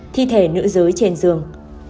thi thể nữ giới trên giường